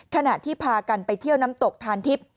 ขณะที่พากันไปเที่ยวน้ำตกทานทิพย์